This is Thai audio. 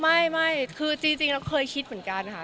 ไม่คือจริงเราเคยคิดเหมือนกันค่ะ